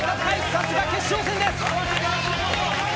さすが決勝戦です！